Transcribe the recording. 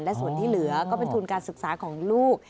และส่วนที่เหลือก็เป็นทุนการศึกษาของลูก